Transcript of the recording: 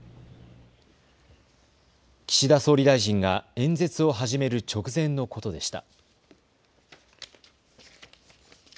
岸田総理大臣が演説を始める直前のことでした。